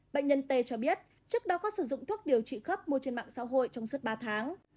bệnh nhân t cho biết trước đó có sử dụng thuốc điều trị khớp mua trên mạng xã hội trong suốt ba tháng